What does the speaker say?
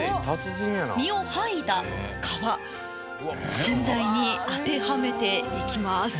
身をはいだ皮芯材に当てはめていきます。